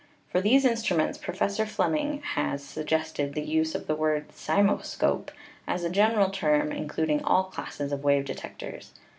For these instruments Professor Fleming has suggested the use of the word cymoscope as a general term including all classes of wave detectors.